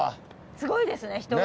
すごいですね人が。